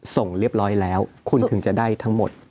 ส่งเรียบร้อยแล้วคุณถึงจะได้ทั้งหมด